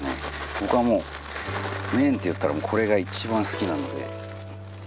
僕はもう麺っていったらこれが一番好きなので。